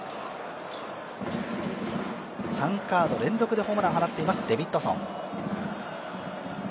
３カード連続でホームランを放っていますデビッドソン。